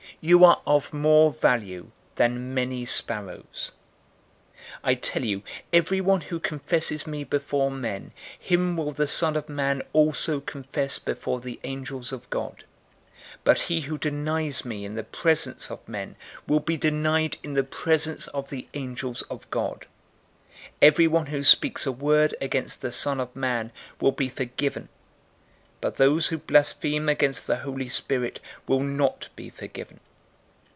You are of more value than many sparrows. 012:008 "I tell you, everyone who confesses me before men, him will the Son of Man also confess before the angels of God; 012:009 but he who denies me in the presence of men will be denied in the presence of the angels of God. 012:010 Everyone who speaks a word against the Son of Man will be forgiven, but those who blaspheme against the Holy Spirit will not be forgiven.